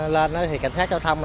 lần đó thì cảnh sát giao thông